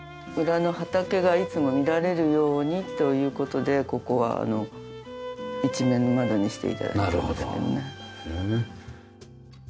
裏の畑がいつも見られるようにという事でここは一面の窓にして頂いてますけどね。